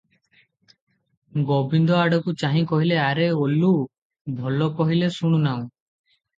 ଗୋବିନ୍ଦ ଆଡ଼କୁ ଚାହି କହିଲେ, 'ଆରେ ଓଲୁ, ଭଲ କହିଲେ ଶୁଣୁନାହୁଁ?